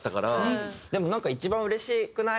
でも一番うれしくない？